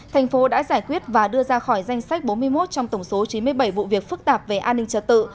thành phố đã giải quyết và đưa ra khỏi danh sách bốn mươi một trong tổng số chín mươi bảy vụ việc phức tạp về an ninh trật tự